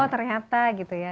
ternyata gitu ya